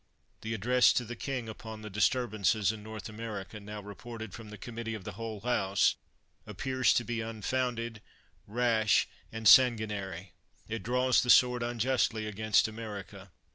The address to the king, upon the disturb ances in North America, now reported from the Committee of the whole House, appears to be unfounded, rash, and sanguinary. It draws the sword unjustly against America.